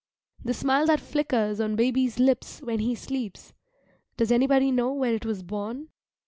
The smile that flickers on baby's lips when he sleeps does anybody know where it was born?